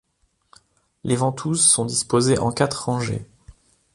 Les ventouses sont disposées en quatre rangées.